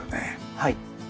はい。